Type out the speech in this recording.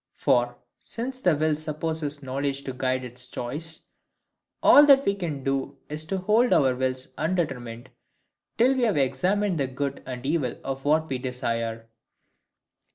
For, since the will supposes knowledge to guide its choice, all that we can do is to hold our wills undetermined, till we have examined the good and evil of what we desire.